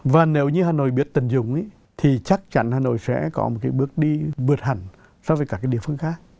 và nếu như hà nội biết tận dụng thì chắc chắn hà nội sẽ có một cái bước đi vượt hẳn so với các địa phương khác